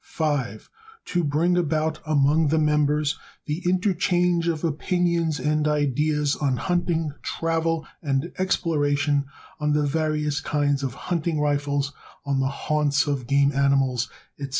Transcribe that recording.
5. To bring about among the members the interchange of opinions and ideas on hunting, travel and exploration; on the various kinds of hunting rifles; on the haunts of game animals, etc.